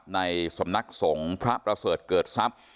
ในสำนักสงฆ์พระประเสริฐเกิดทรัพย์